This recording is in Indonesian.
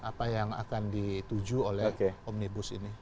apa yang akan dituju oleh omnibus ini